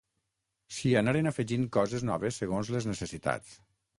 S'hi anaren afegint coses noves segons les necessitats.